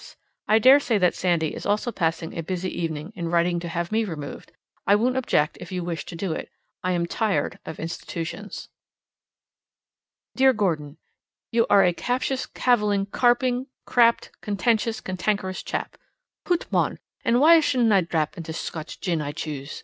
I dare say that Sandy is also passing a busy evening in writing to have me removed. I won't object if you wish to do it. I am tired of institutions. Dear Gordon: You are a captious, caviling, carping, crabbed, contentious, cantankerous chap. Hoot mon! an' why shouldna I drap into Scotch gin I choose?